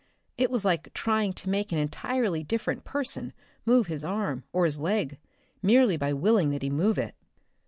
It was like trying to make an entirely different person move his arm, or his leg, merely by willing that he move it.